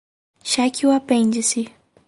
Cheque o apêndice